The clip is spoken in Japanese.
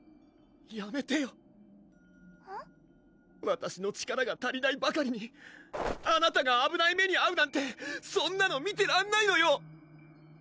やめてよわたしの力が足りないばかりにあなたがあぶない目にあうなんてそんなの見てらんないのよ！